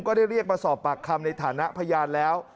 เรียกมาสอบปากคำในฐานะพยานแล้ว